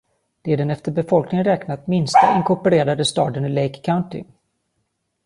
Det är den efter befolkning räknat minsta inkorporerade staden i Lake County.